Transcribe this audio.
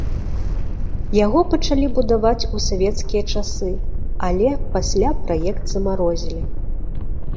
Яго пачалі будаваць у савецкія часы, але пасля праект замарозілі.